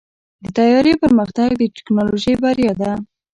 د طیارې پرمختګ د ټیکنالوژۍ بریا ده.